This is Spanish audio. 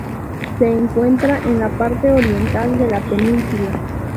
Se encuentra en la parte oriental de la península.